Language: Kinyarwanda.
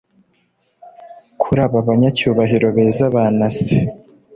Kuri aba banyacyubahiro beza ba Nasse